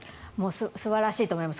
素晴らしいと思います。